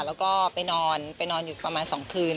แล้วก็ไปนอนไปนอนอยู่ประมาณ๒คืน